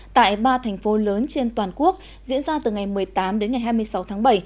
tại ba thành phố lớn trên toàn quốc diễn ra từ ngày một mươi tám đến ngày hai mươi sáu tháng bảy